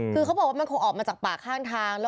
คือเขาบอกว่ามันคงออกมาจากป่าข้างทาง